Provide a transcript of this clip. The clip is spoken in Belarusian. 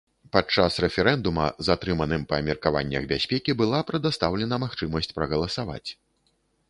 Падчас рэферэндума затрыманым па меркаваннях бяспекі была прадастаўлена магчымасць прагаласаваць.